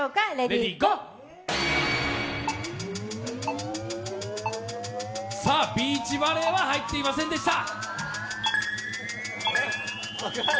ビーチバレーは入っていませんでした。